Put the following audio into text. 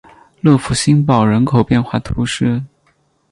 勒福新堡人口变化图示